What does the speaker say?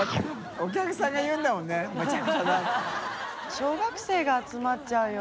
小学生が集まっちゃうよ。